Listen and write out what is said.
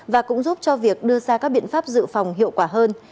và cũng giúp cho việc đưa ra các biện pháp dự phòng hiệu quả hơn